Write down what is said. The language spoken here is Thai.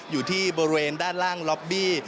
อยู่ที่บริเวณด้านล่างล็อบบี้